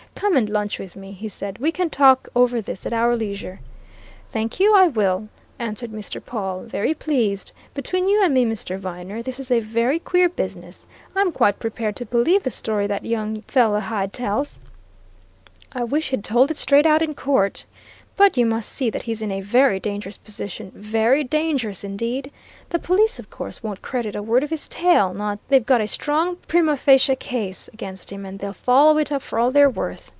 "Come and lunch with me," he said. "We can talk over this at our leisure." "Thank you I will," answered Mr. Pawle. "Very pleased. Between you and me, Mr. Viner, this is a very queer business. I'm quite prepared to believe the story that young fellow Hyde tells. I wish he'd told it straight out in court. But you must see that he's in a very dangerous position very dangerous indeed! The police, of course, won't credit a word of his tale not they! They've got a strong prima facie case against him, and they'll follow it up for all they're worth.